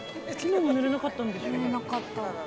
寝られなかった。